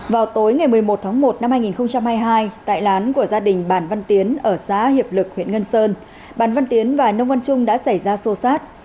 vào tối ngày một mươi một tháng một năm hai nghìn hai mươi hai tại lán của gia đình bàn văn tiến ở xã hiệp lực huyện ngân sơn bàn văn tiến và nông văn trung đã xảy ra xô xát